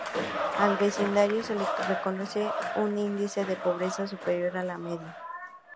Al vecindario se le reconoce un índice de pobreza superior a la media.